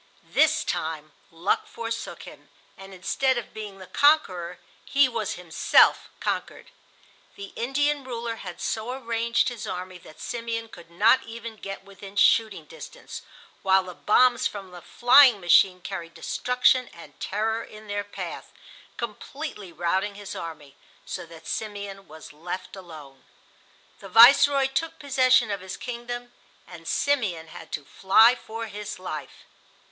This time luck forsook him, and instead of being the conqueror he was himself conquered. The Indian ruler had so arranged his army that Simeon could not even get within shooting distance, while the bombs from the flying machine carried destruction and terror in their path, completely routing his army, so that Simeon was left alone. The Viceroy took possession of his kingdom and Simeon had to fly for his life.